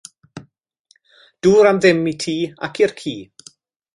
Dŵr am ddim i ti ac i'r ci!